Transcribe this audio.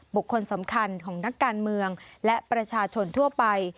บุคคลสำคัญของนักการเมืองและประชาชนทั่วไป